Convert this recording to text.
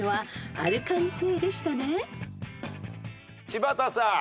柴田さん。